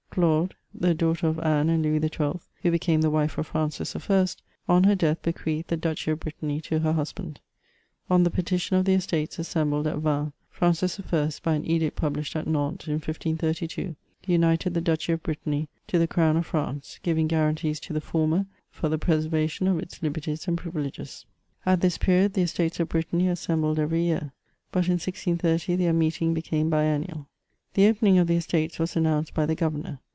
Claude, the daughter of Anne and Louis XII., who became the wife of Francis I., on her death bequeathed the Duchy of Brittany to her husband. On the petition of the Estates assembled at Vannes, Francis I., byaii edict published at Nantes in 1 532, united the Duchy of Brittany to the crown of France, giving guarantees to the former for the preservation of its liberties and privileges* At this period the Estates of Brittany assembled every year ; but in 1630 their meeting became biennial. The opening of the Estates was announced by the governor.